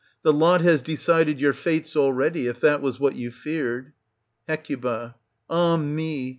The lot has decided your fetes already, if that was what you feared Hec. Ah me!